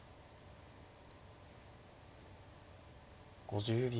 ５０秒。